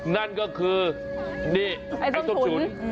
นั่นก็คือนี่ไอ้ส้มฉุน